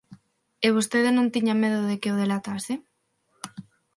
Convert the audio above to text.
E vostede non tiña medo de que o delatase?